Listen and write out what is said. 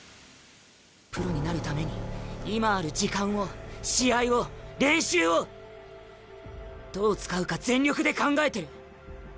プロになるために今ある時間を試合を練習をどう使うか全力で考えてる。